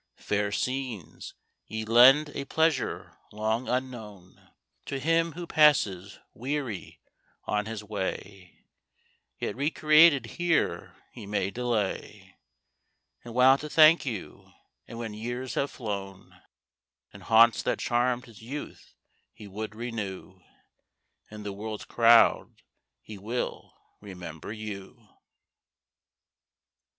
Fair scenes, ye lend a pleasure, long unknown, To him who passes weary on his way; Yet recreated here he may delay A while to thank you; and when years have flown, And haunts that charmed his youth he would renew, In the world's crowd he will remember you.